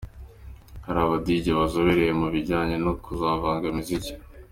Hari aba Dj bazobereye mu bijyanye no kuvangavanga imiziki .